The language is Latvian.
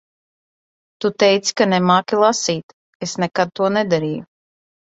Tu teici ka nemāki lasīt. Es nekad to nedarīju.